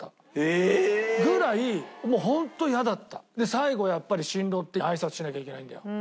最後やっぱり新郎って挨拶しなきゃいけないんだよ。